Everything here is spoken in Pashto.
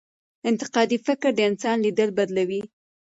انتقادي فکر د انسان لید بدلوي.